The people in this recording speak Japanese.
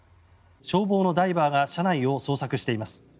消防のダイバーが車内を捜索しています。